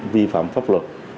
vi phạm pháp luật